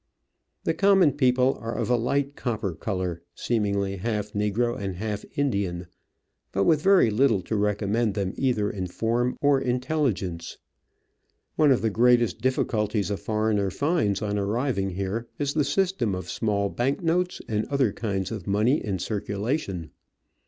The common people are of a light copper colour, seemingly half negro and half Indian, but with very little to recommend them either in form or intelligence. One of the greatest difficulties a foreigner finds on arriving here is the system of small bank notes and other kinds of money in circulation.